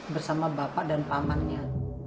bersama bapak dan pamannya